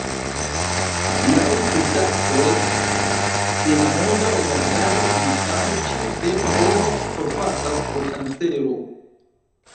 Laŭ pritaksoj de la Monda Organizaĵo pri Sano ĉiu sepa homo forpasas pro kancero.